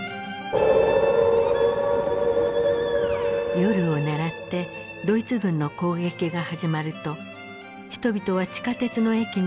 夜を狙ってドイツ軍の攻撃が始まると人々は地下鉄の駅に向かい避難した。